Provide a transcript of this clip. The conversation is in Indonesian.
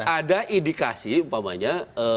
ada indikasi umpamanya